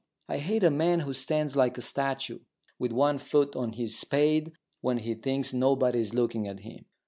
I hate a man who stands like a statue, with one foot on his spade, when he thinks nobody is looking at him.